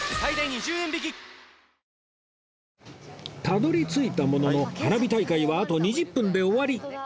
たどり着いたものの花火大会はあと２０分で終わり